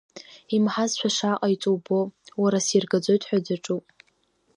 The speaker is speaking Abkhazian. Имаҳазшәа шааҟаиҵо убо, уара, сиргаӡоит ҳәа даҿуп…